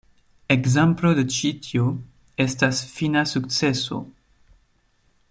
Ekzemplo de ĉi tio estas "Fina Sukceso".